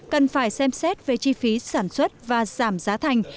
cần phải xem xét về chi phí sản xuất và giảm giá thành